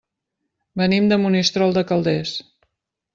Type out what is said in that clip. Venim de Monistrol de Calders.